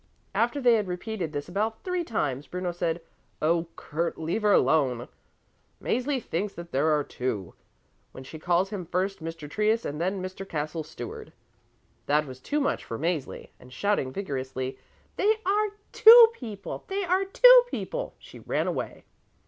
After they had repeated this about three times Bruno said, "Oh, Kurt, leave her alone. Mäzli thinks that there are two, when she calls him first Mr. Trius and then Mr. Castle Steward." That was too much for Mäzli, and shouting vigorously, "They are two people, they are two people," she ran away.